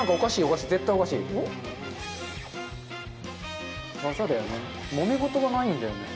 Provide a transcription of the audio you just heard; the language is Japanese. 技だよね